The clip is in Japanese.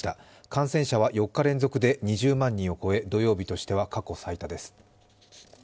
感染者は４日連続で２０万人を超え土曜日としては過去最多です。